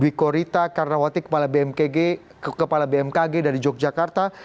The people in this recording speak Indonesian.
dwi korita karnawati kepala bmkg dari yogyakarta